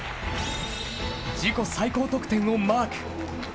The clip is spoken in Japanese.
自己最高得点をマーク。